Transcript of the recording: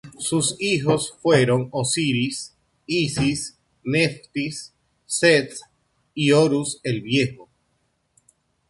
Sus hijos fueron Osiris, Isis, Neftis, Seth y Horus el viejo.